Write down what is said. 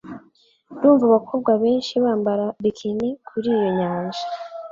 Ndumva abakobwa benshi bambara bikini kuri iyo nyanja